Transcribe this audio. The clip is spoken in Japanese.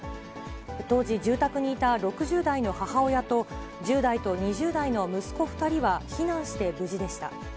当時住宅にいた６０代の母親と、１０代と２０代の息子２人は避難して無事でした。